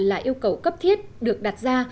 là yêu cầu cấp thiết được đặt ra